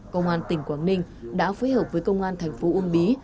công an tỉnh quảng ninh đã phối hợp với công an thành phố uông bí